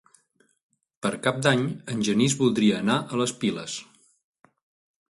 Per Cap d'Any en Genís voldria anar a les Piles.